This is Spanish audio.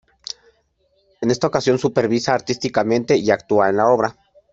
En esta ocasión supervisa artísticamente y actúa en la obra.